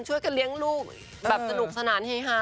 ช่วยกันเลี้ยงลูกแบบสนุกสนานเฮฮา